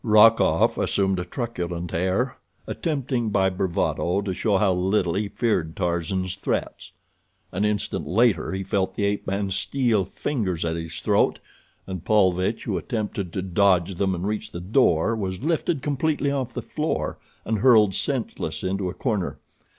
Rokoff assumed a truculent air, attempting by bravado to show how little he feared Tarzan's threats. An instant later he felt the ape man's steel fingers at his throat, and Paulvitch, who attempted to dodge them and reach the door, was lifted completely off the floor, and hurled senseless into a corner.